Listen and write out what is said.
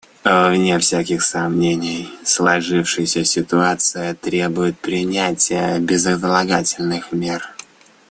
Вне всяких сомнений, сложившаяся ситуация требует принятия безотлагательных мер.